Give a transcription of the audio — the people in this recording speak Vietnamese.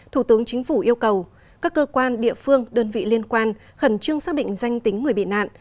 thủ tướng chính phủ yêu cầu các cơ quan địa phương đơn vị liên quan khẩn trương xác định danh tính người bị nạn